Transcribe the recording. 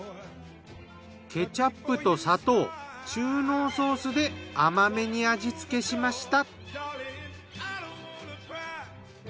ケチャップと砂糖中濃ソースで甘めに味つけしました。